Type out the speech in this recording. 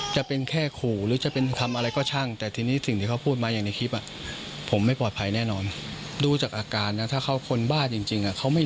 ใช่ครับผมก็เลยไม่รู้จะทำยังไง